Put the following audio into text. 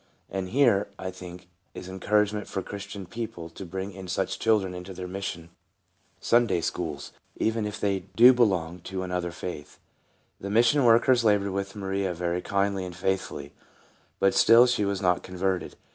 And here, I think, is encouragement for Christian people to bring in such children into their Mission Sunday schools, even if they do be long to another faith. The mission workers labored with Maria very kindly and faithfully, but still she was not converted.